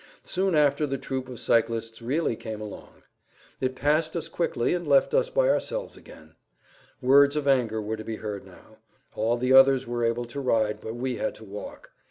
Soon after the troop of cyclists really came along. It passed us quickly and left us by[Pg 7] ourselves again. Words of anger were to be heard now; all the others were able to ride, but we had to walk.